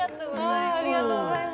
ありがとうございます。